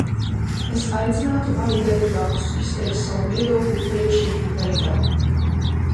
Es aicinātu arī deputātus izteikt savu viedokli priekšlikumu veidā.